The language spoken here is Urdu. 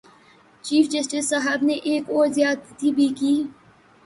چیف جسٹس صاحب نے ایک اور زیادتی بھی کی۔